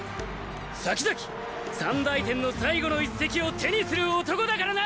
先々「三大天」の最後の一席を手にする男だからな！！